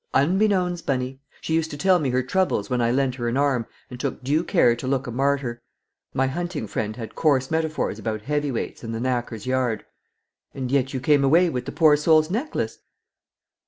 "Unbeknowns, Bunny! She used to tell me her troubles when I lent her an arm and took due care to look a martyr; my hunting friend had coarse metaphors about heavy weights and the knacker's yard." "And yet you came away with the poor soul's necklace?"